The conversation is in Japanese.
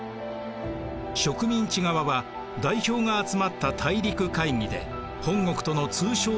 植民地側は代表が集まった大陸会議で本国との通商の断絶を決議します。